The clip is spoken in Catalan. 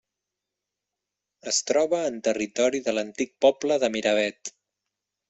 Es troba en territori de l'antic poble de Miravet.